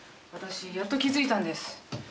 私やっと気づいたんです。